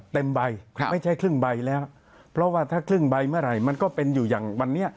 เต็มใบไม่ใช่ครึ่งใบแล้วเพราะว่าถ้าครึ่งใบเมื่อไหร่มันก็เป็นอยู่อย่างวันนี้